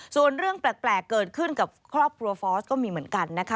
ส่วนเรื่องแปลกเกิดขึ้นกับครอบครัวฟอสก็มีเหมือนกันนะคะ